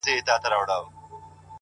مهرباني د درناوي تخم شیندي،